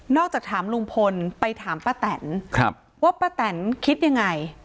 จากถามลุงพลไปถามป้าแตนว่าป้าแตนคิดยังไง